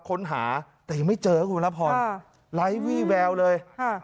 ค้นหาแต่ยังไม่เจอนะครับขุมรับฝ่อนรายวี่แววเลย